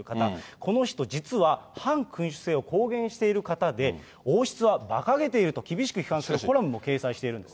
この人、実は、反君主制を公言している方で、王室はばかげていると厳しく批判するコラムも掲載しているんです